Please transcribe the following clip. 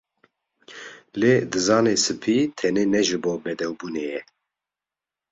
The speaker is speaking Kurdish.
Lê dizanê spî tenê ne ji bo bedewbûnê ye